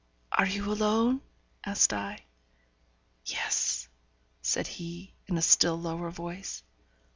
'Are you alone?' asked I. 'Yes,' said he, in a still lower voice.